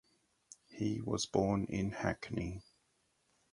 He was born in Hackney.